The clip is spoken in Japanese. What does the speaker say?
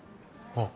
あっ。